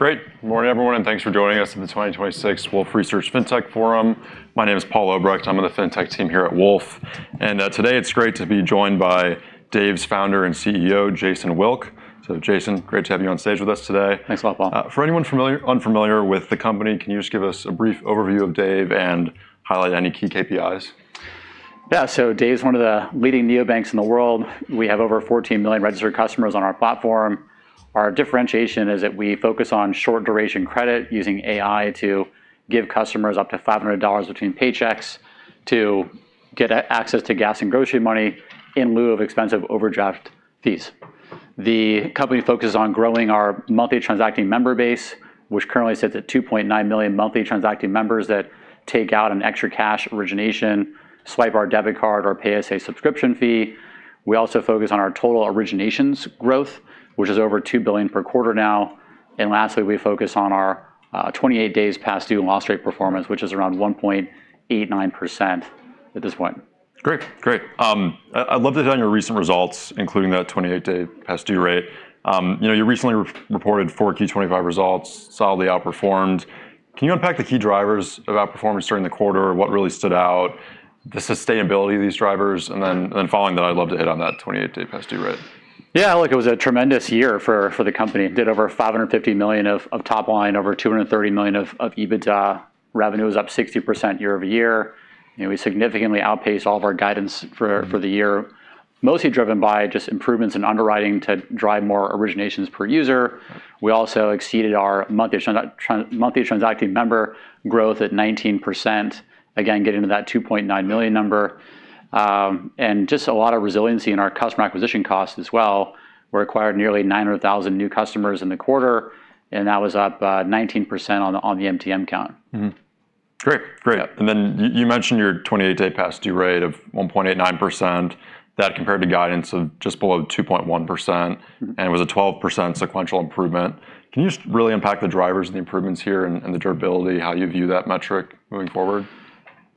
All right, great. Morning, everyone, and thanks for joining us in the 2026 Wolfe Research Fintech Forum. My name is Paul Obrecht. I'm on the Fintech team here at Wolfe. Today it's great to be joined by Dave's Founder and CEO, Jason Wilk. Jason, great to have you on stage with us today. Thanks a lot, Paul. For anyone unfamiliar with the company, can you just give us a brief overview of Dave and highlight any key KPIs? Yeah. Dave is one of the leading neobanks in the world. We have over 14 million registered customers on our platform. Our differentiation is that we focus on short duration credit using AI to give customers up to $500 between paychecks to get access to gas and grocery money in lieu of expensive overdraft fees. The company focuses on growing our monthly transacting member base, which currently sits at 2.9 million monthly transacting members that take out an ExtraCash origination, swipe our debit card or pay us a subscription fee. We also focus on our total originations growth, which is over $2 billion per quarter now. Lastly, we focus on our 28 days past due loss rate performance, which is around 1.89% at this point. Great. I'd love to hit on your recent results, including that 28-day past due rate. You know, you recently re-reported Q4 key 2025 results, solidly outperformed. Can you unpack the key drivers of outperformance during the quarter? What really stood out, the sustainability of these drivers? Following that, I'd love to hit on that 28-day past due rate. Yeah. Look, it was a tremendous year for the company. Did over $550 million of top line, over $230 million of EBITDA. Revenue was up 60% year-over-year. You know, we significantly outpaced all of our guidance for- Mm-hmm for the year, mostly driven by just improvements in underwriting to drive more originations per user. We also exceeded our monthly transacting member growth at 19%, again, getting to that 2.9 million number. Just a lot of resiliency in our customer acquisition costs as well. We acquired nearly 900,000 new customers in the quarter, and that was up 19% on the MTM count. Great. Great. Yeah. You mentioned your 28-day past due rate of 1.89%. That compared to guidance of just below 2.1%. Mm-hmm. It was a 12% sequential improvement. Can you just really unpack the drivers and the improvements here and the durability, how you view that metric moving forward?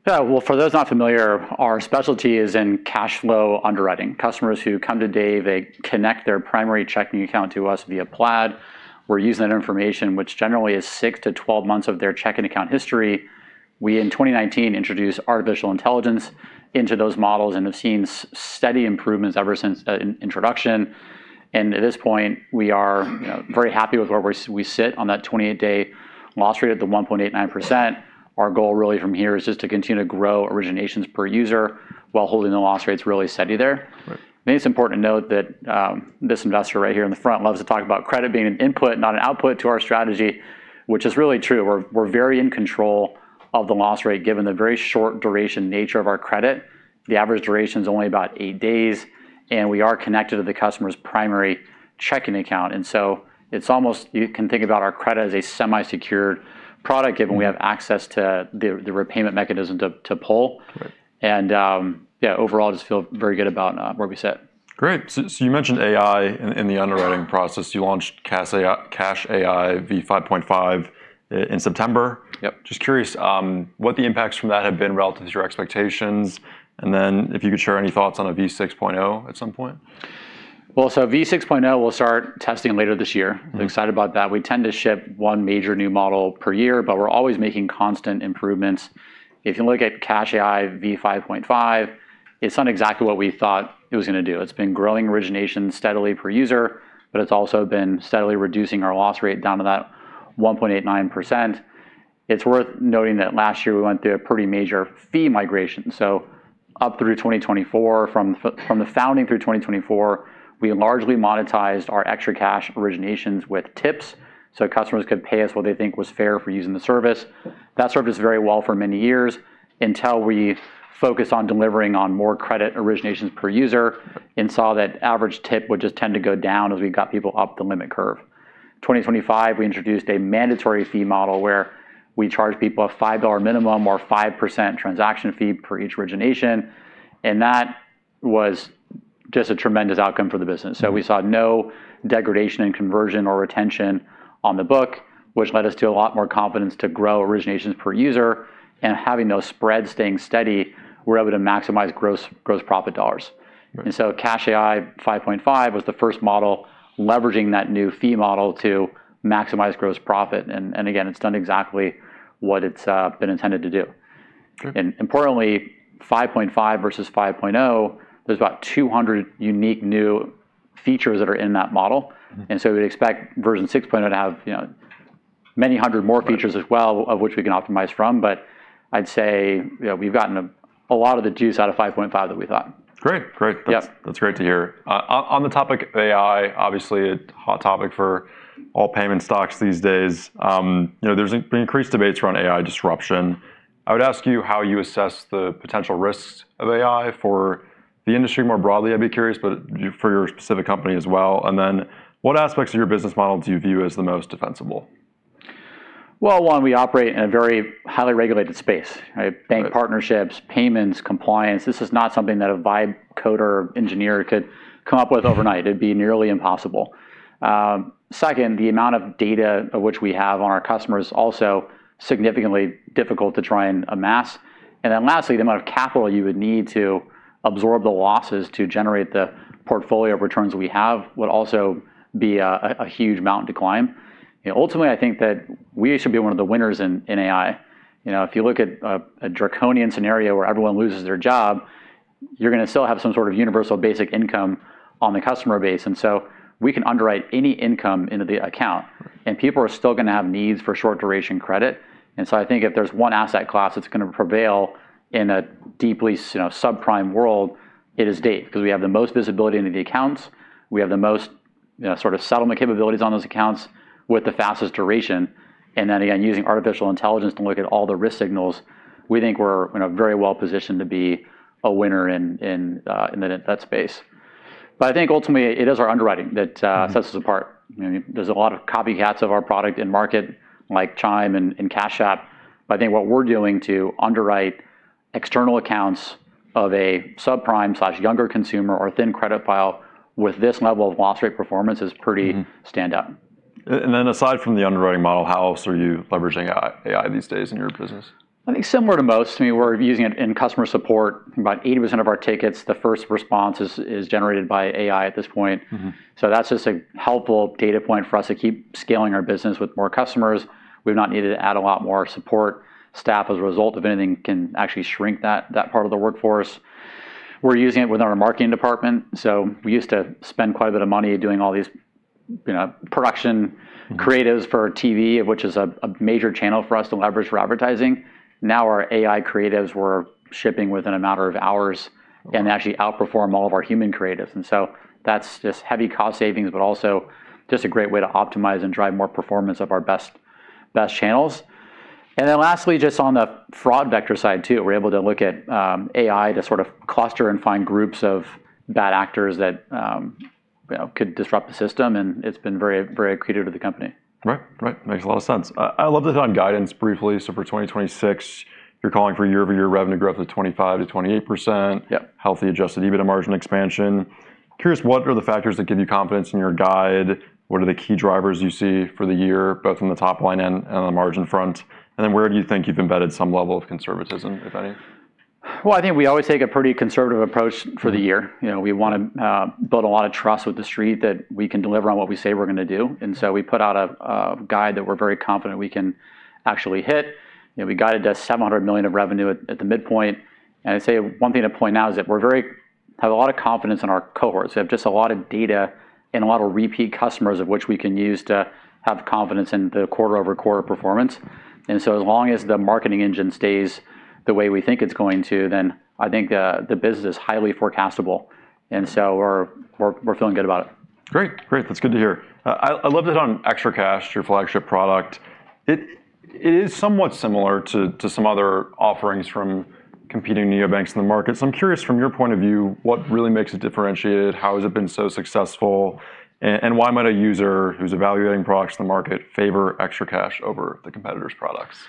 Yeah. Well, for those not familiar, our specialty is in cash flow underwriting. Customers who come to Dave, they connect their primary checking account to us via Plaid. We're using that information, which generally is 6-12 months of their checking account history. We, in 2019, introduced artificial intelligence into those models and have seen steady improvements ever since introduction. At this point, we are, you know, very happy with where we sit on that 28-day loss rate of 1.89%. Our goal really from here is just to continue to grow originations per user while holding the loss rates really steady there. Right. I think it's important to note that this investor right here in the front loves to talk about credit being an input, not an output, to our strategy, which is really true. We're very in control of the loss rate given the very short duration nature of our credit. The average duration is only about eight days, and we are connected to the customer's primary checking account. It's almost you can think about our credit as a semi-secured product given we have access to the repayment mechanism to pull. Right. Yeah, overall, just feel very good about where we sit. Great. You mentioned AI in the underwriting process. You launched CashAI v5.5 in September. Yep. Just curious, what the impacts from that have been relative to your expectations, and then if you could share any thoughts on a v6.0 at some point. v6.0 we'll start testing later this year. Mm-hmm. Excited about that. We tend to ship one major new model per year, but we're always making constant improvements. If you look at CashAI v5.5, it's not exactly what we thought it was gonna do. It's been growing origination steadily per user, but it's also been steadily reducing our loss rate down to that 1.89%. It's worth noting that last year we went through a pretty major fee migration. Up through 2024, from the founding through 2024, we largely monetized our ExtraCash originations with tips, so customers could pay us what they think was fair for using the service. That served us very well for many years until we focused on delivering on more credit originations per user and saw that average tip would just tend to go down as we got people up the limit curve. 2025, we introduced a mandatory fee model where we charge people a $5 minimum or 5% transaction fee for each origination, and that was just a tremendous outcome for the business. We saw no degradation in conversion or retention on the book, which led us to a lot more confidence to grow originations per user. Having those spreads staying steady, we're able to maximize gross profit dollars. Right. CashAI 5.5 was the first model leveraging that new fee model to maximize gross profit. Again, it's done exactly what it's been intended to do. Sure. Importantly, 5.5 versus 5.0, there's about 200 unique new features that are in that model. Mm-hmm. We'd expect version 6.0 to have, you know, many hundred more features as well. Right of which we can optimize from. I'd say, you know, we've gotten a lot of the juice out of 5.5 that we thought. Great. Great. Yep. That's great to hear. On the topic of AI, obviously a hot topic for all payment stocks these days. You know, there's been increased debates around AI disruption. I would ask you how you assess the potential risks of AI for the industry more broadly. I'd be curious, but for your specific company as well. Then what aspects of your business model do you view as the most defensible? Well, one, we operate in a very highly regulated space, right? Right. Bank partnerships, payments, compliance. This is not something that a vibe coder engineer could come up with overnight. It'd be nearly impossible. Second, the amount of data of which we have on our customers also significantly difficult to try and amass. Then lastly, the amount of capital you would need to absorb the losses to generate the portfolio of returns we have would also be a huge mountain to climb. You know, ultimately, I think that we should be one of the winners in AI. You know, if you look at a draconian scenario where everyone loses their job, you're gonna still have some sort of universal basic income on the customer base. We can underwrite any income into the account, and people are still gonna have needs for short duration credit. I think if there's one asset class that's gonna prevail in a deeply, you know, subprime world, it is Dave, because we have the most visibility into the accounts, we have the most, you know, sort of settlement capabilities on those accounts with the fastest duration. Again, using artificial intelligence to look at all the risk signals, we think we're, you know, very well positioned to be a winner in that space. I think ultimately it is our underwriting that sets us apart. You know, there's a lot of copycats of our product in market, like Chime and Cash App, but I think what we're doing to underwrite external accounts of a subprime/younger consumer or thin credit file with this level of loss rate performance is pretty standout. Aside from the underwriting model, how else are you leveraging AI these days in your business? I think similar to most, I mean, we're using it in customer support. About 80% of our tickets, the first response is generated by AI at this point. Mm-hmm. That's just a helpful data point for us to keep scaling our business with more customers. We've not needed to add a lot more support staff as a result of anything, can actually shrink that part of the workforce. We're using it with our marketing department, so we used to spend quite a bit of money doing all these, you know, production creatives for TV, which is a major channel for us to leverage for advertising. Now our AI creatives we're shipping within a matter of hours. Okay Actually outperform all of our human creatives, and so that's just heavy cost savings, but also just a great way to optimize and drive more performance of our best channels. Lastly, just on the fraud vector side too, we're able to look at AI to sort of cluster and find groups of bad actors that you know could disrupt the system, and it's been very, very accretive to the company. Right. Makes a lot of sense. I'd love to hit on guidance briefly. For 2026, you're calling for year-over-year revenue growth of 25%-28%. Yep. Healthy adjusted EBITDA margin expansion. Curious, what are the factors that give you confidence in your guide? What are the key drivers you see for the year, both from the top line and on the margin front? Where do you think you've embedded some level of conservatism, if any? Well, I think we always take a pretty conservative approach for the year. You know, we want to build a lot of trust with the street that we can deliver on what we say we're gonna do. We put out a guide that we're very confident we can actually hit. You know, we guided to $700 million of revenue at the midpoint. I'd say one thing to point out is that we have a lot of confidence in our cohorts. We have just a lot of data and a lot of repeat customers of which we can use to have confidence in the quarter-over-quarter performance. As long as the marketing engine stays the way we think it's going to, then I think the business is highly forecastable. We're feeling good about it. Great. That's good to hear. I loved it on ExtraCash, your flagship product. It is somewhat similar to some other offerings from competing neobanks in the market. I'm curious from your point of view, what really makes it differentiated? How has it been so successful? Why might a user who's evaluating products in the market favor ExtraCash over the competitor's products?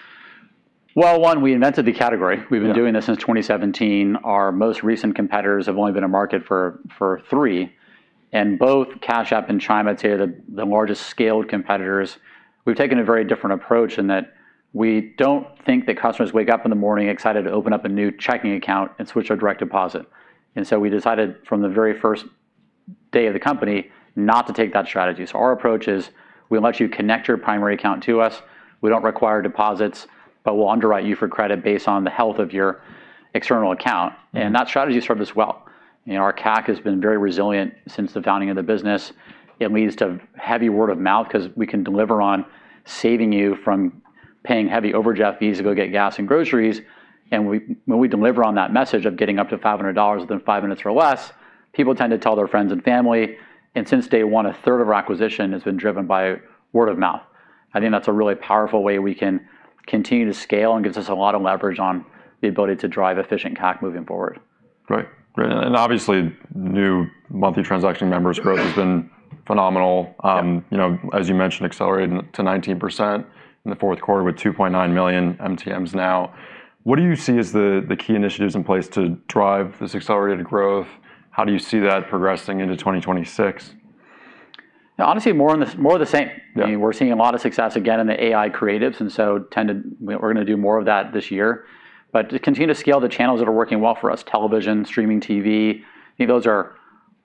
Well, one, we invented the category. Yeah. We've been doing this since 2017. Our most recent competitors have only been in market for three, and both Cash App and Chime, I'd say are the largest scaled competitors. We've taken a very different approach in that we don't think that customers wake up in the morning excited to open up a new checking account and switch their direct deposit. We decided from the very first day of the company not to take that strategy. Our approach is, we let you connect your primary account to us. We don't require deposits, but we'll underwrite you for credit based on the health of your external account. Yeah. That strategy has served us well. You know, our CAC has been very resilient since the founding of the business. It leads to heavy word of mouth 'cause we can deliver on saving you from paying heavy overdraft fees to go get gas and groceries. When we deliver on that message of getting up to $500 within 5 minutes or less, people tend to tell their friends and family. Since day one, a third of our acquisition has been driven by word of mouth. I think that's a really powerful way we can continue to scale and gives us a lot of leverage on the ability to drive efficient CAC moving forward. Right. Great. Obviously, new monthly transaction members growth has been phenomenal. Yep. You know, as you mentioned, accelerated to 19% in the fourth quarter with 2.9 million MTMs now. What do you see as the key initiatives in place to drive this accelerated growth? How do you see that progressing into 2026? Honestly, more the same. Yeah. I mean, we're seeing a lot of success again in the AI creatives, and we're gonna do more of that this year. To continue to scale the channels that are working well for us, television, streaming TV, I think those are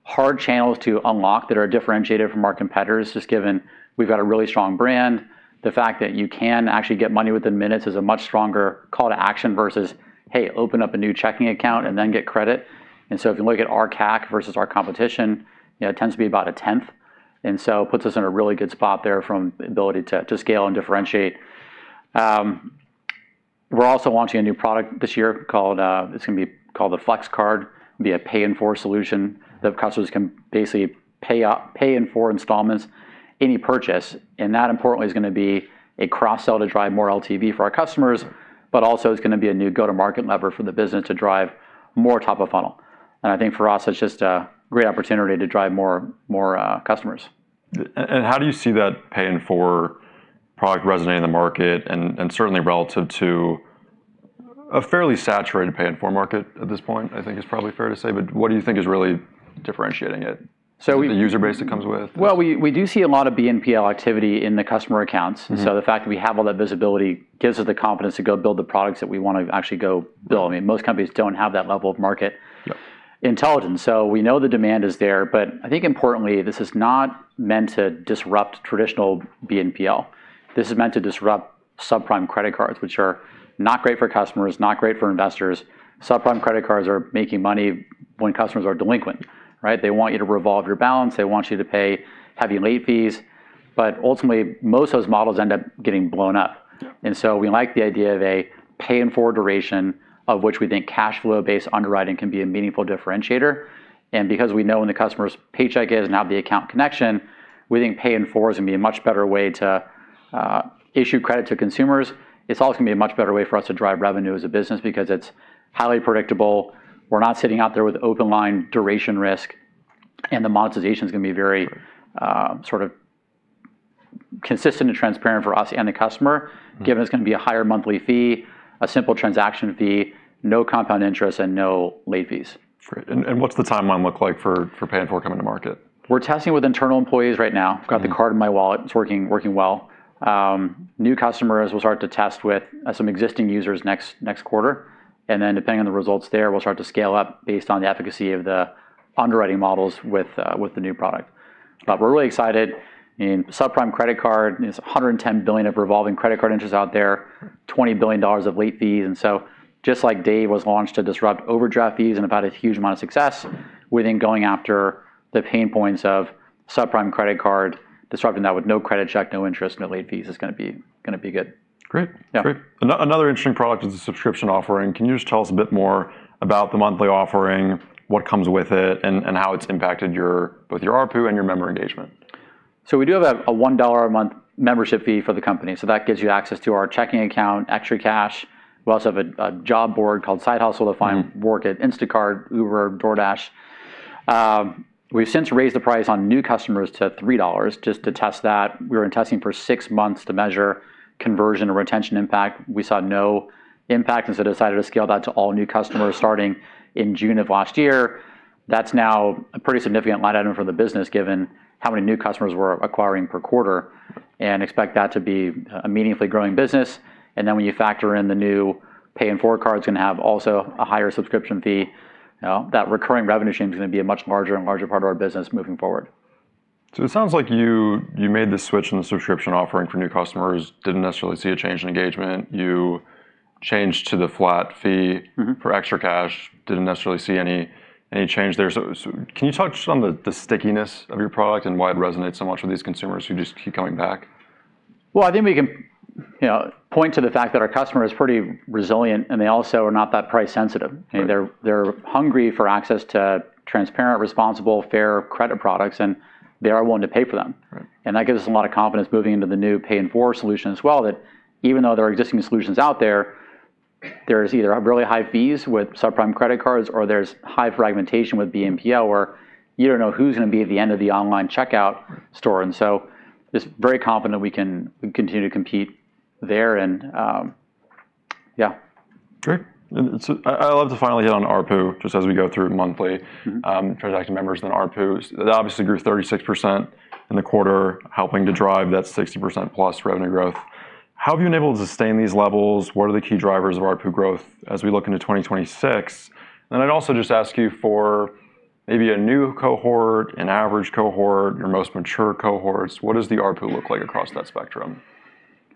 hard channels to unlock that are differentiated from our competitors, just given we've got a really strong brand. The fact that you can actually get money within minutes is a much stronger call to action versus, "Hey, open up a new checking account and then get credit." If you look at our CAC versus our competition, you know, it tends to be about a tenth. It puts us in a really good spot there from the ability to scale and differentiate. We're also launching a new product this year called, it's gonna be called the Flex Card. It'll be a pay-in-four solution that customers can basically pay in four installments any purchase. That importantly is gonna be a cross-sell to drive more LTV for our customers, but also it's gonna be a new go-to-market lever for the business to drive more top of funnel. I think for us, it's just a great opportunity to drive more customers. How do you see that pay-in-four product resonating in the market and certainly relative to a fairly saturated pay-in-four market at this point, I think it is probably fair to say. What do you think is really differentiating it? So we- The user base it comes with. Well, we do see a lot of BNPL activity in the customer accounts. Mm-hmm. The fact that we have all that visibility gives us the confidence to go build the products that we wanna actually go build. I mean, most companies don't have that level of market- Yeah Intelligence. We know the demand is there. I think importantly, this is not meant to disrupt traditional BNPL. This is meant to disrupt subprime credit cards, which are not great for customers, not great for investors. Subprime credit cards are making money when customers are delinquent, right? They want you to revolve your balance, they want you to pay heavy late fees. Ultimately, most of those models end up getting blown up. Yeah. We like the idea of a pay in four duration, of which we think cash flow-based underwriting can be a meaningful differentiator. Because we know when the customer's paycheck is, and have the account connection, we think pay in four is gonna be a much better way to issue credit to consumers. It's also gonna be a much better way for us to drive revenue as a business because it's highly predictable. We're not sitting out there with open line duration risk, and the monetization's gonna be very, sort of consistent and transparent for us and the customer. Mm Given it's gonna be a higher monthly fee, a simple transaction fee, no compound interest, and no late fees. Great. What's the timeline look like for pay in four coming to market? We're testing with internal employees right now. Okay. I've got the card in my wallet. It's working well. New customers we'll start to test with some existing users next quarter. Depending on the results there, we'll start to scale up based on the efficacy of the underwriting models with the new product. We're really excited. In subprime credit card, you know, there's $110 billion of revolving credit card interest out there, $20 billion of late fees. Just like Dave was launched to disrupt overdraft fees and have had a huge amount of success, we think going after the pain points of subprime credit card, disrupting that with no credit check, no interest, no late fees is gonna be good. Great. Yeah. Great. Another interesting product is the subscription offering. Can you just tell us a bit more about the monthly offering, what comes with it, and how it's impacted your ARPU and your member engagement? We do have a $1 a month membership fee for the company, so that gives you access to our checking account, ExtraCash. We also have a job board called Side Hustle to find- Mm work at Instacart, Uber, DoorDash. We've since raised the price on new customers to $3 just to test that. We were in testing for six months to measure conversion or retention impact. We saw no impact, and so decided to scale that to all new customers starting in June of last year. That's now a pretty significant line item for the business given how many new customers we're acquiring per quarter, and expect that to be a meaningfully growing business. When you factor in the new pay in four card's gonna have also a higher subscription fee. You know, that recurring revenue stream is gonna be a much larger and larger part of our business moving forward. It sounds like you made the switch in the subscription offering for new customers, didn't necessarily see a change in engagement. You changed to the flat fee- Mm-hmm for ExtraCash, didn't necessarily see any change there. Can you touch on the stickiness of your product and why it resonates so much with these consumers who just keep coming back? Well, I think we can, you know, point to the fact that our customer is pretty resilient, and they also are not that price sensitive. Right. I mean, they're hungry for access to transparent, responsible, fair credit products, and they are willing to pay for them. Right. That gives us a lot of confidence moving into the new pay in four solution as well that even though there are existing solutions out there's either really high fees with subprime credit cards or there's high fragmentation with BNPL where you don't know who's gonna be at the end of the online checkout or store. Just very confident we can continue to compete there. Great. I'd love to finally hit on ARPU just as we go through monthly- Mm-hmm transaction members then ARPUs. That obviously grew 36% in the quarter, helping to drive that 60%+ revenue growth. How have you been able to sustain these levels? What are the key drivers of ARPU growth as we look into 2026? I'd also just ask you for maybe a new cohort, an average cohort, your most mature cohorts, what does the ARPU look like across that spectrum?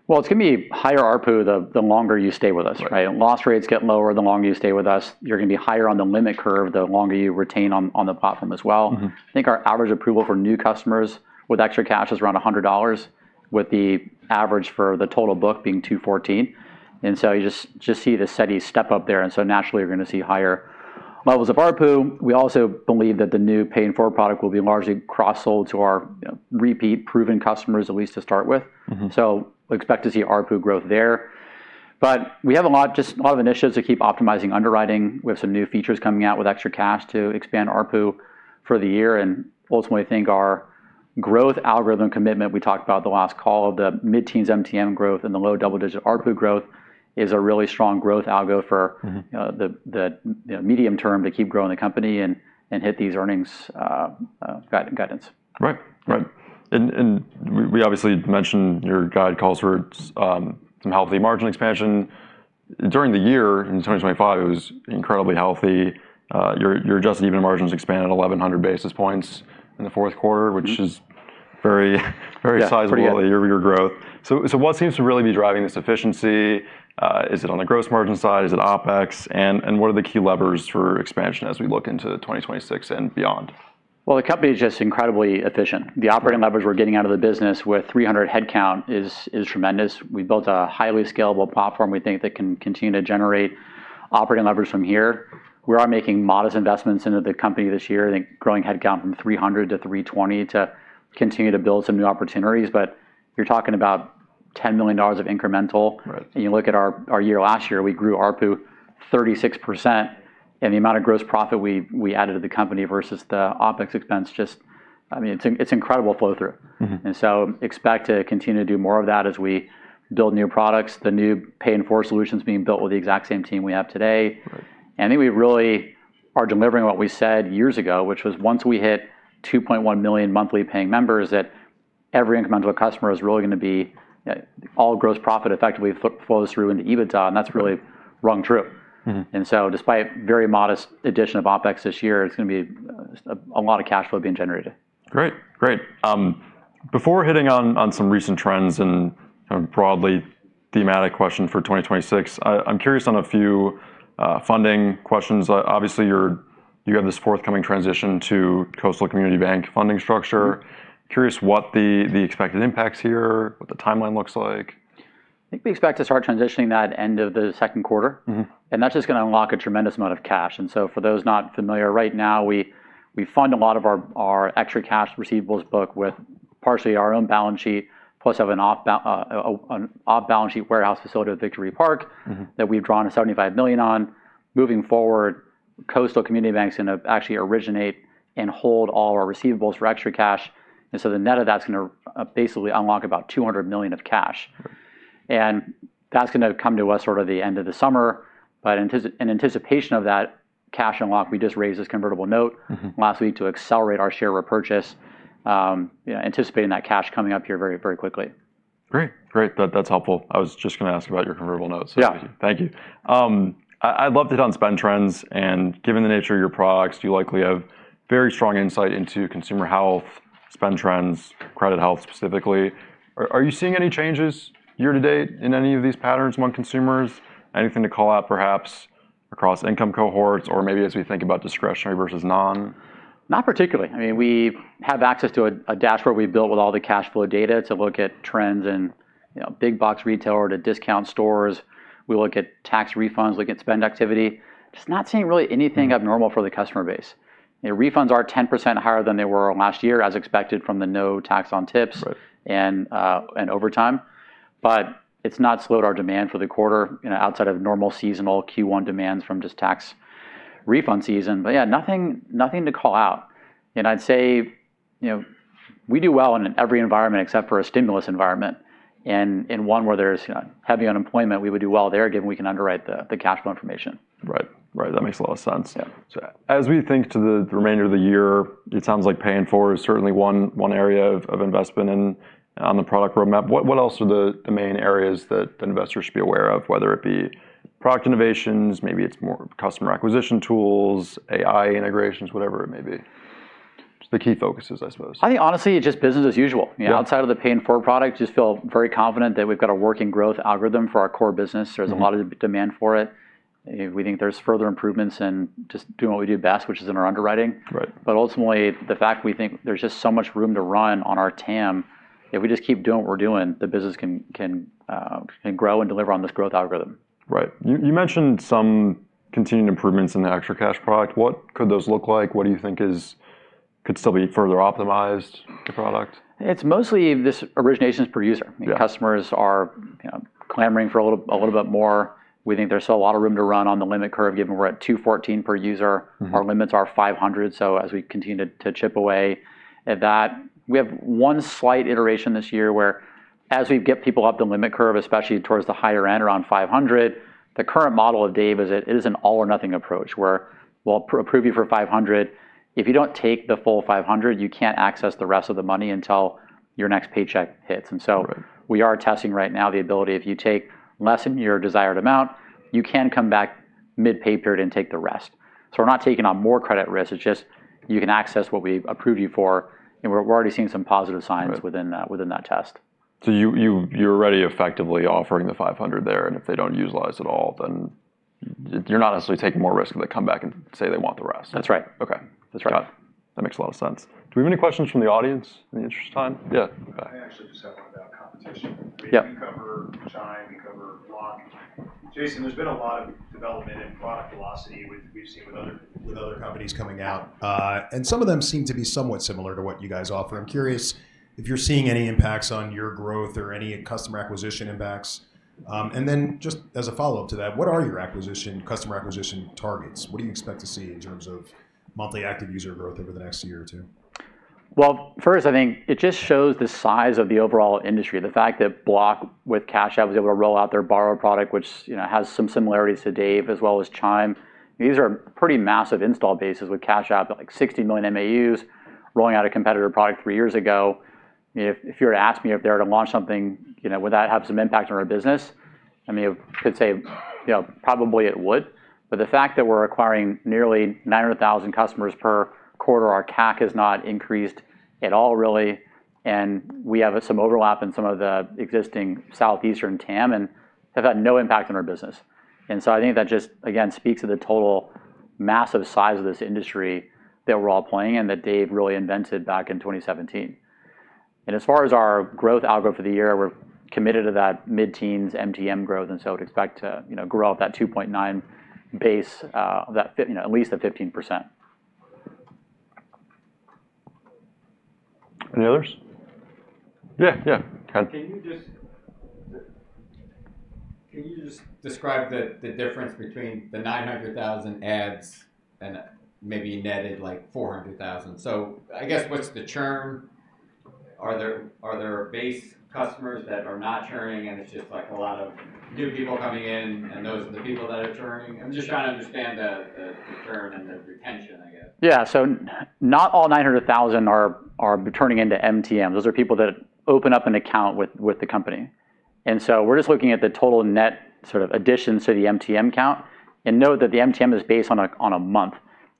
Well, it's gonna be higher ARPU the longer you stay with us, right? Right. Loss rates get lower the longer you stay with us. You're gonna be higher on the limit curve the longer you retain on the platform as well. Mm-hmm. I think our average approval for new customers with ExtraCash is around $100, with the average for the total book being $214. You just see the steady step up there, and so naturally you're gonna see higher levels of ARPU. We also believe that the new pay in four product will be largely cross-sold to our, you know, repeat proven customers, at least to start with. Mm-hmm. We expect to see ARPU growth there. We have a lot, just a lot of initiatives to keep optimizing underwriting. We have some new features coming out with ExtraCash to expand ARPU for the year. Ultimately think our growth algorithm commitment we talked about the last call, the mid-teens MTM growth and the low double-digit ARPU growth is a really strong growth algo for- Mm-hmm The, you know, medium term to keep growing the company and hit these earnings guidance. Right. We obviously mentioned your guide calls for some healthy margin expansion. During the year in 2025, it was incredibly healthy. Your adjusted EBITDA margins expanded 1,100 basis points in the fourth quarter. Mm-hmm which is very, very sizable. Yeah, pretty high. year-over-year growth. What seems to really be driving this efficiency? Is it on the gross margin side? Is it OpEx? And what are the key levers for expansion as we look into 2026 and beyond? Well, the company is just incredibly efficient. The operating leverage we're getting out of the business with 300 headcount is tremendous. We built a highly scalable platform we think that can continue to generate operating leverage from here. We are making modest investments into the company this year. I think growing headcount from 300 to 320 to continue to build some new opportunities. You're talking about $10 million of incremental. Right. You look at our year last year. We grew ARPU 36%, and the amount of gross profit we added to the company versus the OpEx expense. I mean, it's incredible flow through. Mm-hmm. Expect to continue to do more of that as we build new products. The new pay in four solution is being built with the exact same team we have today. Right. I think we really are delivering what we said years ago, which was once we hit 2.1 million monthly paying members, that every incremental customer is really gonna be all gross profit effectively flows through into EBITDA, and that's really rung true. Mm-hmm. Despite very modest addition of OpEx this year, it's gonna be a lot of cash flow being generated. Great. Before hitting on some recent trends and kind of broadly thematic question for 2026, I'm curious on a few funding questions. Obviously you have this forthcoming transition to Coastal Community Bank funding structure. Mm-hmm. Curious what the expected impact's here, what the timeline looks like. I think we expect to start transitioning at the end of the second quarter. Mm-hmm. That's just gonna unlock a tremendous amount of cash. For those not familiar, right now we fund a lot of our ExtraCash receivables book with partially our own balance sheet, plus have an off-balance sheet warehouse facility with Victory Park Capital. Mm-hmm that we've drawn $75 million on. Moving forward, Coastal Community Bank's gonna actually originate and hold all our receivables for ExtraCash. The net of that's gonna basically unlock about $200 million of cash. That's gonna come to us sort of the end of the summer. In anticipation of that cash unlock, we just raised this convertible note. Mm-hmm Last week to accelerate our share repurchase, you know, anticipating that cash coming up here very, very quickly. Great. That's helpful. I was just gonna ask about your convertible note, so- Yeah Thank you. I'd love to hit on spend trends, and given the nature of your products, you likely have very strong insight into consumer health, spend trends, credit health specifically. Are you seeing any changes year to date in any of these patterns among consumers? Anything to call out perhaps across income cohorts or maybe as we think about discretionary versus non? Not particularly. I mean, we have access to a dashboard we built with all the cash flow data to look at trends in, you know, big box retailer to discount stores. We look at tax refunds, look at spend activity. Just not seeing really anything abnormal for the customer base. You know, refunds are 10% higher than they were last year, as expected from the no tax on tips. Right Overtime. It's not slowed our demand for the quarter, you know, outside of normal seasonal Q1 demands from just tax refund season. Yeah, nothing to call out. I'd say, you know, we do well in every environment except for a stimulus environment, and in one where there's heavy unemployment, we would do well there, given we can underwrite the cash flow information. Right. That makes a lot of sense. Yeah. As we think to the remainder of the year, it sounds like pay in four is certainly one area of investment on the product roadmap. What else are the main areas that an investor should be aware of, whether it be product innovations, maybe it's more customer acquisition tools, AI integrations, whatever it may be? Just the key focuses, I suppose. I think honestly, it's just business as usual. Yeah. You know, outside of the pay in four product, just feel very confident that we've got a working growth algorithm for our core business. Mm-hmm. There's a lot of demand for it. You know, we think there's further improvements in just doing what we do best, which is in our underwriting. Right. Ultimately, the fact we think there's just so much room to run on our TAM, if we just keep doing what we're doing, the business can grow and deliver on this growth algorithm. Right. You mentioned some continued improvements in the ExtraCash product. What could those look like? What do you think could still be further optimized the product? It's mostly this originations per user. Yeah. Customers are, you know, clamoring for a little bit more. We think there's still a lot of room to run on the limit curve, given we're at $214 per user. Mm-hmm. Our limits are $500, so as we continue to chip away at that. We have one slight iteration this year whereas we get people up the limit curve, especially towards the higher end around $500, the current model of Dave is an all or nothing approach, where we'll approve you for $500. If you don't take the full $500, you can't access the rest of the money until your next paycheck hits. Right We are testing right now the ability, if you take less than your desired amount, you can come back mid-pay period and take the rest. We're not taking on more credit risk, it's just you can access what we've approved you for, and we're already seeing some positive signs. Right within that test. You're already effectively offering the $500 there, and if they don't utilize it all, then you're not necessarily taking more risk if they come back and say they want the rest. That's right. Okay. That's right. Got it. That makes a lot of sense. Do we have any questions from the audience in the interest of time? Yeah. Okay. I actually just have one about competition. Yeah. We cover Chime, we cover Block. Jason, there's been a lot of development in product velocity with other companies coming out. Some of them seem to be somewhat similar to what you guys offer. I'm curious if you're seeing any impacts on your growth or any customer acquisition impacts. Just as a follow-up to that, what are your acquisition, customer acquisition targets? What do you expect to see in terms of monthly active user growth over the next year or two? Well, first, I think it just shows the size of the overall industry. The fact that Block with Cash App was able to roll out their Borrow product, which, you know, has some similarities to Dave, as well as Chime. These are pretty massive install bases with Cash App at like 60 million MAUs rolling out a competitor product three years ago. If you were to ask me if they were to launch something, you know, would that have some impact on our business? I mean, I could say, you know, probably it would. But the fact that we're acquiring nearly 900,000 customers per quarter, our CAC has not increased at all really, and we have some overlap in some of the existing Southeastern TAM, and have had no impact on our business. I think that just again speaks to the total massive size of this industry that we're all playing in, that Dave really invented back in 2017. As far as our growth outlook for the year, we're committed to that mid-teens MTM growth, and so I would expect to, you know, grow out that 2.9 base, you know, at least to 15%. Any others? Yeah, yeah. Ken. Can you just describe the difference between the 900,000 adds and maybe you netted like 400,000. I guess what's the churn? Are there base customers that are not churning and it's just like a lot of new people coming in, and those are the people that are churning? I'm just trying to understand the churn and the retention, I guess. Yeah. Not all 900,000 are turning into MTMs. Those are people that open up an account with the company. We're just looking at the total net sort of addition to the MTM count. Know that the MTM is based on a month.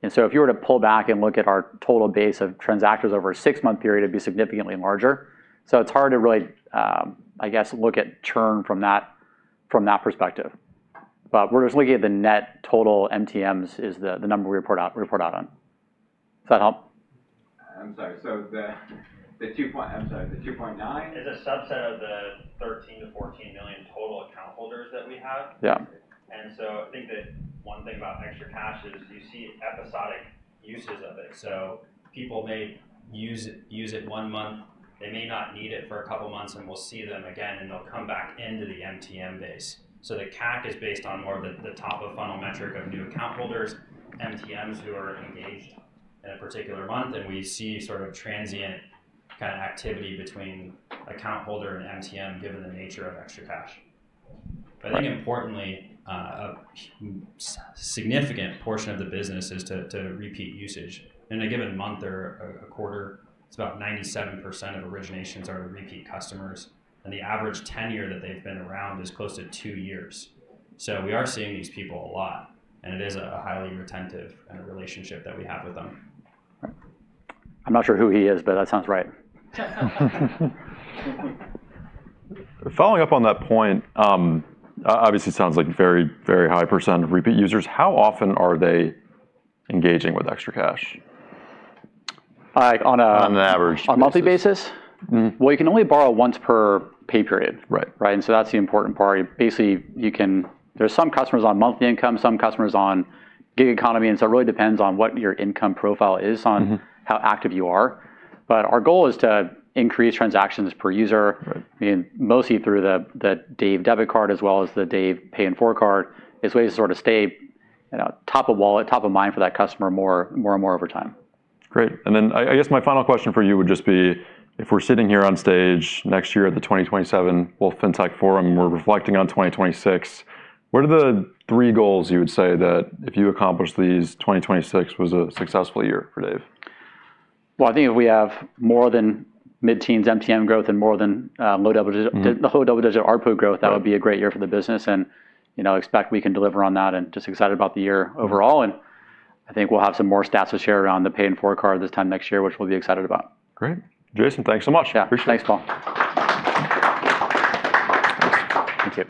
If you were to pull back and look at our total base of transactors over a six-month period, it'd be significantly larger. It's hard to really, I guess, look at churn from that perspective. We're just looking at the net total MTMs is the number we report out on. Does that help? I'm sorry. The 2.9- Is a subset of the 13-14 million total account holders that we have. Yeah. I think that one thing about ExtraCash is you see episodic uses of it. People may use it one month, they may not need it for a couple of months, and we'll see them again, and they'll come back into the MTM base. The CAC is based on more of the top-of-funnel metric of new account holders, MTMs who are engaged in a particular month. We see sort of transient kind of activity between account holder and MTM given the nature of ExtraCash. I think importantly, a significant portion of the business is to repeat usage. In a given month or a quarter, it's about 97% of originations are repeat customers, and the average tenure that they've been around is close to two years. We are seeing these people a lot, and it is a highly retentive relationship that we have with them. I'm not sure who he is, but that sounds right. Following up on that point, obviously sounds like very, very high percent of repeat users. How often are they engaging with ExtraCash? Like, on a. On an average basis. On a monthly basis? Mm-hmm. Well, you can only borrow once per pay period. Right. Right? That's the important part. Basically, there's some customers on monthly income, some customers on gig economy, and so it really depends on what your income profile is. Mm-hmm on how active you are. Our goal is to increase transactions per user. Right. I mean, mostly through the Dave Card as well as the Flex Card. It's a way to sort of stay, you know, top of wallet, top of mind for that customer more and more over time. Great. I guess my final question for you would just be, if we're sitting here on stage next year at the 2027 Wolfe FinTech Forum, and we're reflecting on 2026, what are the three goals you would say that if you accomplish these, 2026 was a successful year for Dave? Well, I think if we have more than mid-teens MTM growth and more than low double digits. Mm-hmm. The low double-digit ARPU growth- Right That would be a great year for the business and, you know, we expect we can deliver on that and we're just excited about the year overall, and I think we'll have some more stats to share around the Dave and Flex Card this time next year, which we'll be excited about. Great. Jason, thanks so much. Yeah. Appreciate it. Thanks, Paul. Thank you.